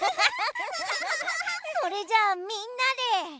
それじゃあみんなで。